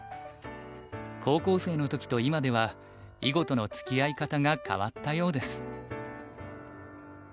高校生の時と今では囲碁とのつきあい方が変わったようです。